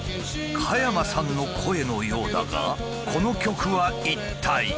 加山さんの声のようだがこの曲は一体。